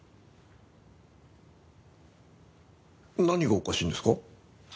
何がおかしいんですか？